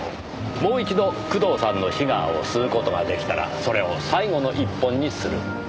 もう一度工藤さんのシガーを吸う事が出来たらそれを最後の一本にする。